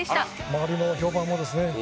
周りの評判もですね